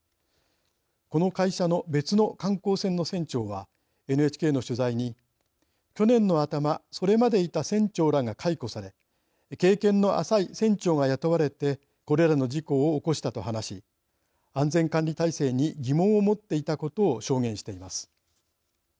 この会社の別の観光船の船長はＮＨＫの取材に、去年の頭それまでいた船長らが解雇され経験の浅い船長が雇われてこれらの事故を起こしたと話し安全管理体制に疑問を持っていたことを証言しています。